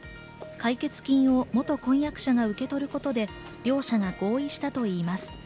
解決金を元婚約者が受け取ることで両者が合意したといいます。